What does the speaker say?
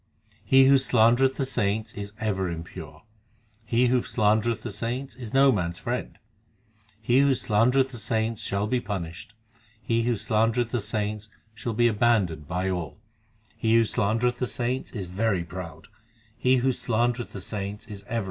4 He who slandereth the saints is ever impure, He who slandereth the saints is no man s friend, He who slandereth the saints shall be punished, He who slandereth the saints shall be abandoned by all, He who slandereth the saints is very proud, He who slandereth the saints is ever a sinner, 1 Atatai, from the Sanskrit atatayin.